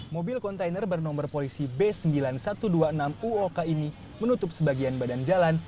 mobil kontainer bernomor polisi b sembilan ribu satu ratus dua puluh enam uok ini menutup sebagian badan jalan